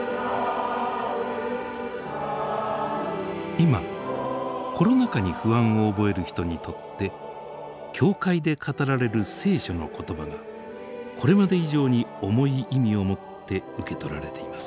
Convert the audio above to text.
今コロナ禍に不安を覚える人にとって教会で語られる聖書の言葉がこれまで以上に重い意味をもって受け取られています。